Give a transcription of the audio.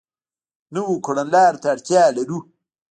نویو کړنلارو ته اړتیا لرو.